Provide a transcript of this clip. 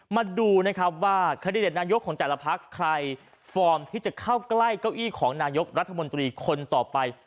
มาดูนะครับว่าคันดิเดตนายกของแต่ละพักใครฟอร์มที่จะเข้าใกล้เก้าอี้ของนายกรัฐมนตรีคนต่อไป